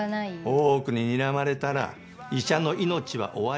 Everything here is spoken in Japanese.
大奥ににらまれたら医者の命は終わりよ。